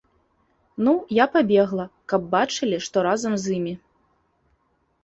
Ну, я пабегла, каб бачылі, што разам з імі.